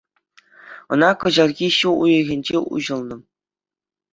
Ӑна кӑҫалхи ҫу уйӑхӗнче уҫӑлнӑ.